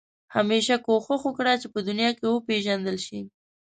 همېشه کوښښ وکړه چې په دنیا کې وپېژندل شې.